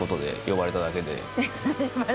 呼ばれただけで？